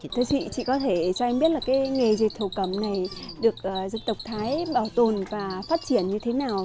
thưa chị chị có thể cho em biết là cái nghề dệt thổ cầm này được dân tộc thái bảo tồn và phát triển như thế nào